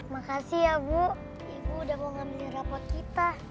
makasih ya bu ibu udah pengen nilai rapot kita